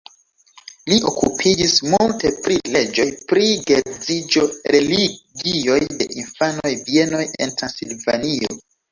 Li okupiĝis multe pri leĝoj pri geedziĝo, religioj de infanoj, bienoj en Transilvanio.